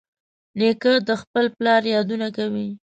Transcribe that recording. نیکه د خپل پلار یادونه کوي.